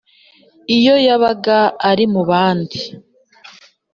iyo yabaga ari mu bandi